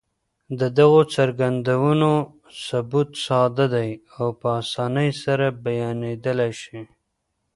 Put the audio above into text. د دغو څرګندونو ثبوت ساده دی او په اسانۍ سره بيانېدلای شي.